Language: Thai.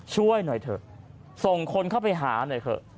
ช่วยหน่อยเถอะส่งคนเข้าไปหาหน่อยเถอะ